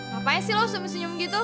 ngapain sih lo semisinyum gitu